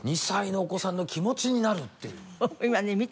２歳のお子さんの気持ちになるっていう今ね